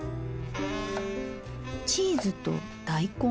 チーズと大根。